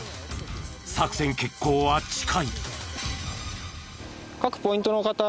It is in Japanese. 作戦決行は近い。